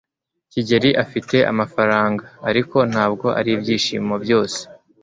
kigeri afite amafaranga. ariko, ntabwo aribyishimo byose